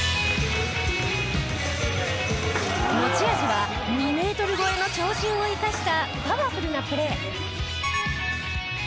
持ち味は２メートル超えの長身を生かしたパワフルなプレー。